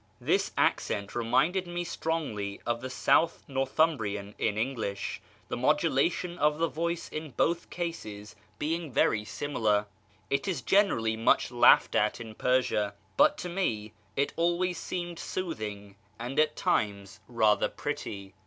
This accent reminded me strongly of the south Northumbrian in English, the modulation of the voice in both cases being very similar ; it is generally much laughed at in Persia, but to me it always seemed soothing, and at times rather pretty.